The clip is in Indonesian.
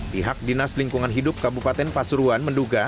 pihak dinas lingkungan hidup kabupaten pasuruan menduga